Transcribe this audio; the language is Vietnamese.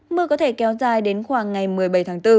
mưa có thể kéo dài đến khoảng ngày một mươi bảy tháng bốn